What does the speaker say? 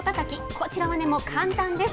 こちらはね、もう簡単です。